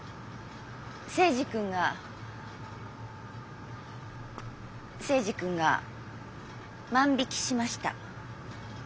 征二君が征二君が万引きしました。